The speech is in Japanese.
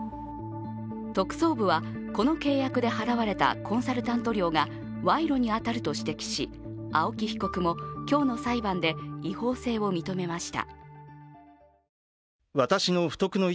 特捜部はこの契約で払われたコンサルタント料が賄賂に当たると指摘し青木被告も今日の裁判で違法性を認めました。